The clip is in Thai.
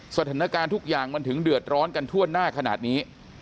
สถานการณ์ทุกอย่างมันถึงเดือดร้อนกันทั่วหน้าขนาดนี้